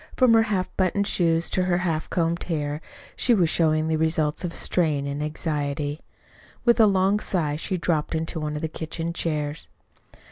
From her half buttoned shoes to her half combed hair she was showing the results of strain and anxiety. With a long sigh she dropped into one of the kitchen chairs.